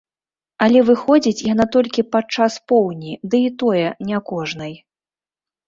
Але выходзіць яна толькі падчас поўні, ды і тое не кожнай.